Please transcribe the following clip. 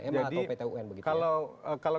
ma atau pt un begitu ya jadi kalau